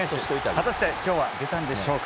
果たして今日は出たんでしょうか。